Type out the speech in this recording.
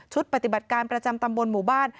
ปฏิบัติการประจำตำบลหมู่บ้าน